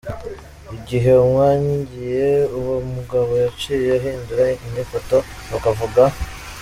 Igihe amwankiye, uwo mugabo yaciye ahindura inyifato, niko avuga.